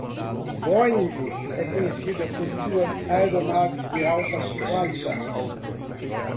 Boeing é conhecida por suas aeronaves de alta qualidade.